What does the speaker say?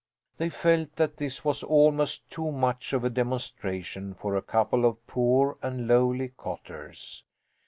They felt that this was almost too much of a demonstration for a couple of poor and lowly cotters.